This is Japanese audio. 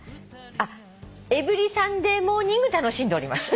あっ「エブリサンデーモーニング楽しんでおります」